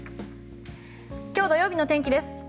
今日土曜日の天気です。